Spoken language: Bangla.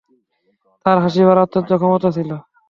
তাঁহার হাসিবার আশ্চর্য ক্ষমতা ছিল।